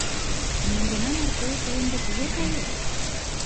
Мӧҥгына марте тый ынде кузе кает?